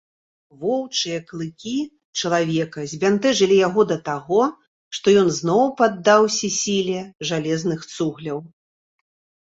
Воўчыя клыкі чалавека збянтэжылі яго да таго, што ён зноў паддаўся сіле жалезных цугляў.